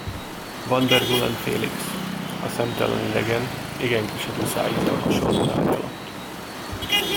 Van der Gullen Félix, a szemtelen idegen, igen keserű szájízzel hasalt az ágy alatt.